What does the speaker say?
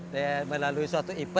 dan melalui suatu ipes